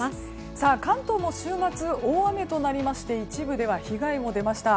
関東も週末大雨となりまして一部では被害も出ました。